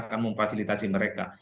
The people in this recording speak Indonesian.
mereka akan memfasilitasi mereka